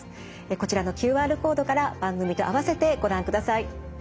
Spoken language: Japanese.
こちらのＱＲコードから番組と併せてご覧ください。